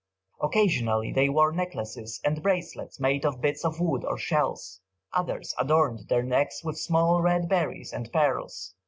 Occasionally they wore necklaces and bracelets made of bits of wood or shells. Others adorned their necks with small red berries and pearls.